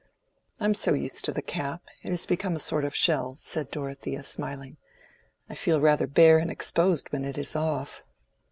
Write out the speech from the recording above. "I am so used to the cap—it has become a sort of shell," said Dorothea, smiling. "I feel rather bare and exposed when it is off."